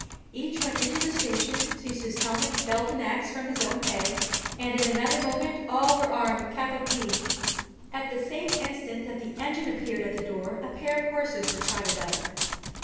Each went into the station, seized his helmet, belt, and axe, from his own peg, and in another moment all were armed cap a pie. At the same instant that the engine appeared at the door a pair of horses were trotted up.